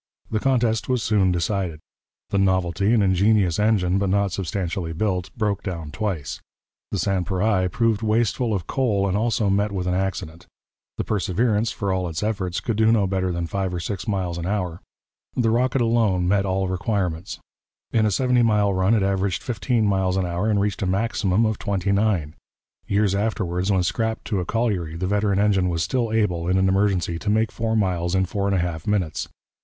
The contest was soon decided. The Novelty, an ingenious engine but not substantially built, broke down twice. The Sans pareil proved wasteful of coal and also met with an accident. The Perseverance, for all its efforts, could do no better than five or six miles an hour. The Rocket alone met all requirements. In a seventy mile run it averaged fifteen miles an hour and reached a maximum of twenty nine. Years afterwards, when scrapped to a colliery, the veteran engine was still able, in an emergency, to make four miles in four and a half minutes.